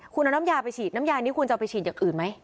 คุณเอาน้ำยาไปฉีดน้ำยานี้คุณจะเอาไปฉีดอย่างอื่นไหม